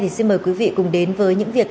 xin mời quý vị cùng đến với những việc